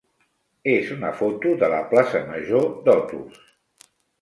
és una foto de la plaça major d'Otos.